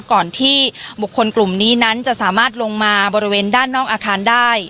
ก่อนที่บุคคลกลุ่มนี้นั้นจะสามารถลงมาบริเวณด้านนอกอาคารได้